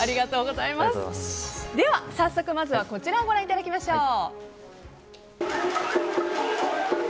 では早速こちらをご覧いただきましょう。